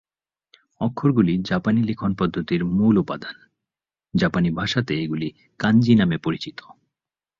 অক্ষরগুলি জাপানি লিখন পদ্ধতির মূল উপাদান; জাপানি ভাষাতে এগুলি কাঞ্জি নামে পরিচিত।